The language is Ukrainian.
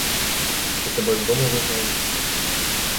Чи тебе з дому вигнали?